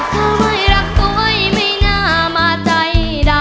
ถ้าไม่รักตัวไม่น่ามาใจ